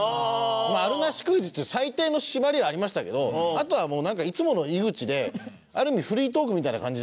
あるなしクイズっていう最低の縛りはありましたけどあとはもうなんかいつもの井口である意味フリートークみたいな感じ。